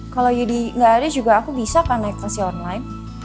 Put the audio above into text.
kalau yudi gak ada juga aku bisa kan naik ke si online